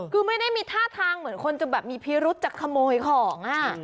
คือไม่ได้มีท่าทางเหมือนคนจะแบบมีพิรุษจะขโมยของ